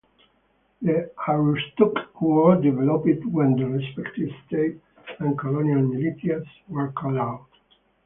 The Aroostook War developed when the respective state and colonial militias were called out.